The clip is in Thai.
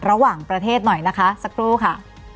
ระหว่างประเทศหน่อยนะคะสักครู่ค่ะ